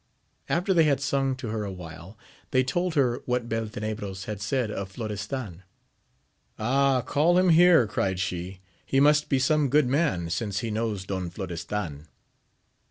After they had sung to her awhile, they told her what Beltenebros had said of Florestan. Ah, call him here, cried she, he must be some good man, since he knows Don Florestan.